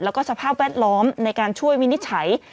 แล้วก็สภาพแวดล้อมในการช่วยวินิจฉัย